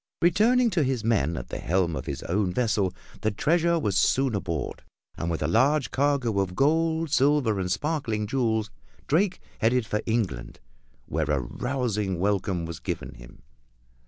Returning to his men at the helm of his own vessel, the treasure was soon aboard, and with a large cargo of gold, silver and sparkling jewels Drake headed for England, where a rousing welcome was given him.